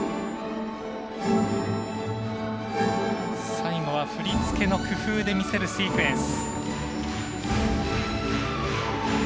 最後は振り付けの工夫で見せるシークエンス。